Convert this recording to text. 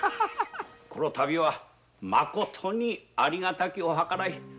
この度はまことにありがたきお計らい